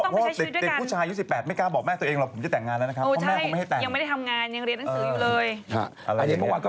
แล้วไงคือก็ต้องไปใช้ชีวิตด้วยกัน